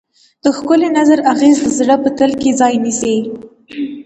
د ښکلي نظر اغېز د زړه په تل کې ځای نیسي.